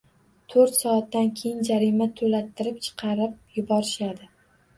Toʻrt soatdan keyin jarima toʻlattirib, chiqarib yuborishadi.